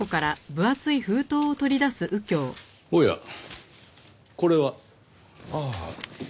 おやこれは？ああ。